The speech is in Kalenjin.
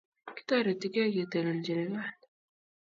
Kitaretigei ketelelchinii kot